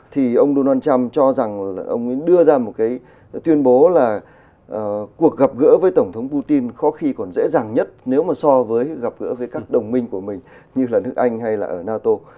thì ông donald trump cho rằng ông ấy đưa ra một cái tuyên bố là cuộc gặp gỡ với tổng thống putin khó khi còn dễ dàng nhất nếu mà so với gặp gỡ với các đồng minh của mình như là nước anh hay là ở nato